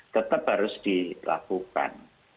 tetap harus dilakukan